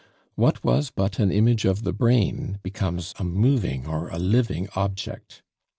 What was but an image of the brain becomes a moving or a living object.